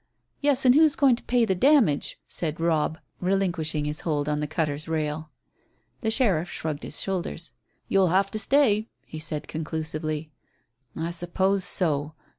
"Yes, and who's going to pay the damage?" said Robb, relinquishing his hold on the cutter's rail. The sheriff shrugged his shoulders. "You'll have to stay," he said conclusively. "I suppose so.